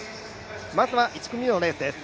まずは、１組目のレースです。